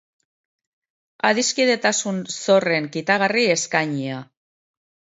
Adiskidetasun zorren kitagarri eskainia.